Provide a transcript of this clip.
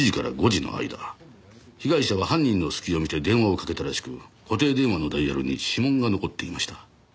被害者は犯人の隙を見て電話をかけたらしく固定電話のダイヤルに指紋が残っていました。